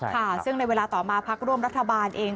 ค่ะซึ่งในเวลาต่อมาพักร่วมรัฐบาลเอง